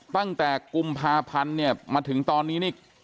ตั้งแต่กุมภาพันธ์เนี่ยมาถึงตอนนี้นี่